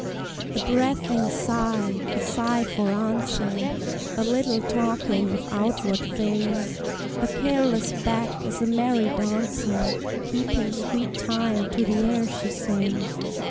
A breathing sigh a sigh for answer; A little talking of outward things: The careless beck is a merry dancer, Keeping sweet time to the air she sings.